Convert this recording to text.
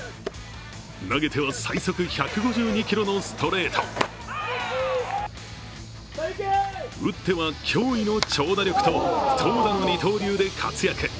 投げては最速１５２キロのストレート打っては驚異の長打力と投打の二刀流で活躍。